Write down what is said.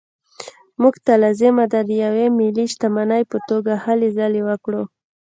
موږ ته لازمه ده د یوې ملي شتمنۍ په توګه هلې ځلې وکړو.